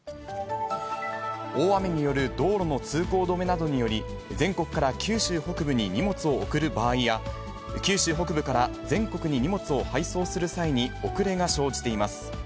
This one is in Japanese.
大雨による道路の通行止めなどにより、全国から九州北部に荷物を送る場合や、九州北部から全国に荷物を配送する際に遅れが生じています。